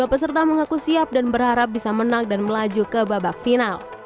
dua peserta mengaku siap dan berharap bisa menang dan melaju ke babak final